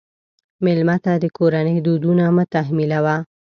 مېلمه ته د کورنۍ دودونه مه تحمیلوه.